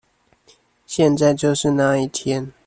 現在就是那一天